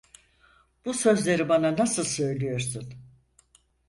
Bu sözleri bana nasıl söylüyorsun?